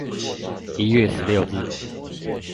一月十六日